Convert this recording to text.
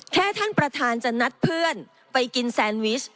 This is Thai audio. แค่ท่านประธานจะนัดเพื่อนไปกินแซนวิช